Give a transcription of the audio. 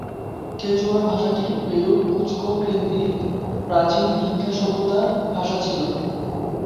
Quechua ভাষাটি পেরুর কুজকো-কেন্দ্রিক প্রাচীন ইনকা সভ্যতার ভাষা ছিল।